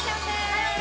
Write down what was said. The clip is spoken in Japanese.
はい！